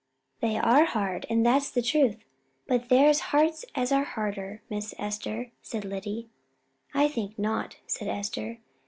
"They are hard, and that's the truth; but there's hearts as are harder, Miss Esther," said Lyddy. "I think not," said Esther.